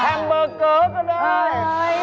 เบอร์เกอร์ก็ได้